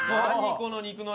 この肉の量。